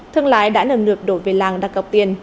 thương lái đã nâng lược đổi về làng đạt cập tiền